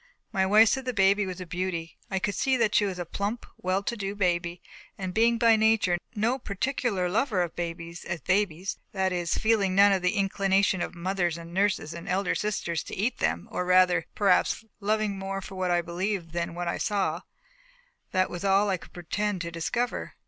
My wife said the baby was a beauty. I could see that she was a plump, well to do baby; and being by nature no particular lover of babies as babies that is, feeling none of the inclination of mothers and nurses and elder sisters to eat them, or rather, perhaps, loving more for what I believed than what I saw that was all I could pretend to discover.